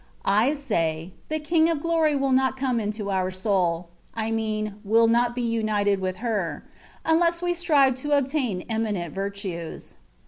I say, the King of Glory wiU not come into our soul (I mean, willn6t be united with her), unless we strive to obtain eminent virtues.